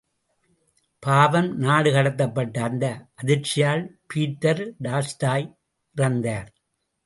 பாவம், நாடு கடத்தப்பட்ட அந்த அதிர்ச்சியால் பீட்டர் டால்ஸ்டாய் இறந்தார்.